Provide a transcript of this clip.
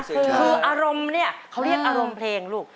คืออารมณ์เนี่ยเขาเรียกอารมณ์เพลงลูก